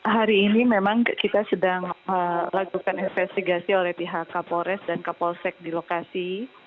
hari ini memang kita sedang lakukan investigasi oleh pihak kapolres dan kapolsek di lokasi